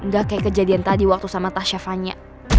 gak kayak kejadian tadi waktu sama tas syafanya